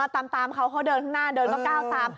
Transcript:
ตามเขาเขาเดินข้างหน้าเดินก็ก้าวตาม